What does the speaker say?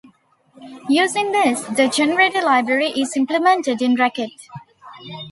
Using this, the generator library is implemented in Racket.